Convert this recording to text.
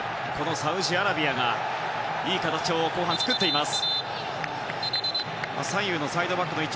サウジアラビアがいい形を後半作っています。